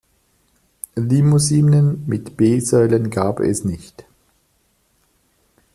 Limousinen mit B-Säulen gab es nicht.